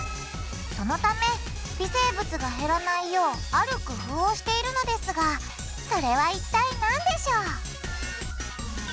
そのため微生物が減らないようある工夫をしているのですがそれは一体なんでしょう？